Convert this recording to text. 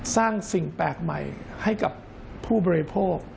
สร้างสิ่งแปลกใหม่ให้กับผู้บริโภค